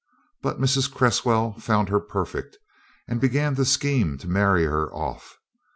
But Mrs. Cresswell found her perfect, and began to scheme to marry her off.